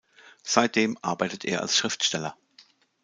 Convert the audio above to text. Seitdem arbeitet er als Schriftsteller.